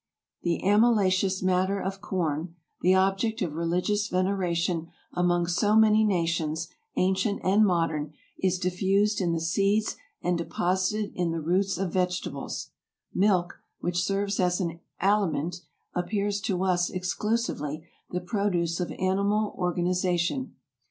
The amylaceous matter of corn, the object of religious veneration among so many na tions, ancient and modern, is diffused in the seeds and de posited in the roots of vegetables ; milk, which serves as an aliment, appears to us exclusively the produce of animal organization.